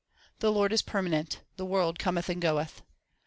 1 The Lord is permanent ; the world cometh and goeth.